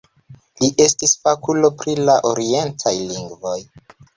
Li estis fakulo pri la orientaj lingvoj.